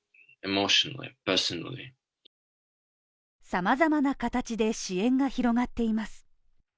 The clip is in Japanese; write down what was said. さまざまな形で支援が広がっています。